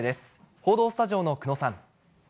報道スタジオの久野さん。